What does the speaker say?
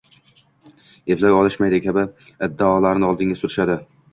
– eplay olishmaydi» kabi iddaolarni oldinga surishadi.